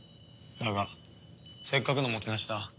だがせっかくのもてなしだ。